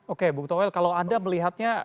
oke bu kutowel kalau anda melihatnya